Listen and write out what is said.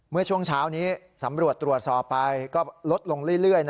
เมื่อช่วงเช้านี้สำรวจตรวจสอบไปก็ลดลงเรื่อย